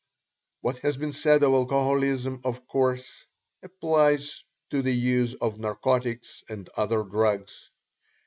What has been said of alcoholism of course applies to the use of narcotics and other drugs.